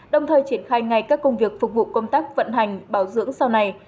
đồng thời triển khai ngay các công việc phục vụ công tác vận hành bảo dưỡng sau này